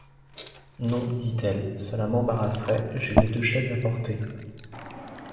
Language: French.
Non, dit-elle, cela m’embarrasserait, j’ai les deux chaises à porter.